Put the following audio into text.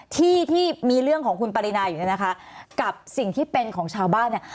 ที่ที่มีเรื่องของคุณปรินาอยู่เนี่ยนะคะกับสิ่งที่เป็นของชาวบ้านเนี่ย